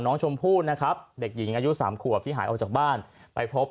น้องชมพู่นะครับเด็กหญิงอายุ๓ขวบที่หายออกจากบ้านไปพบ